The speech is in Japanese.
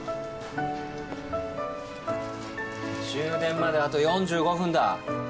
終電まであと４５分だ。